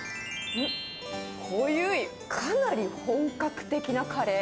こゆい、かなり本格的なカレー。